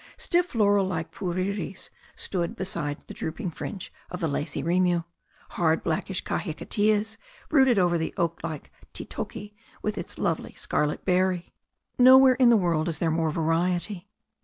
Stiff laurel like puriris stood beside the drooping fringe of the lacy rimu; hard blackish kahikateas brooded over the oak like ti toki with its lovely scarlet berry. Nowhere in the world is there more variety.